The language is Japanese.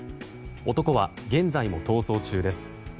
男は現在も逃走中です。